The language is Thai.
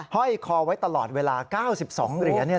ห้อยคอไว้ตลอดเวลา๙๒เหรียญ